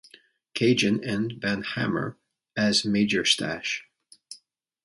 Cajun, and Van Hammer as Major Stash.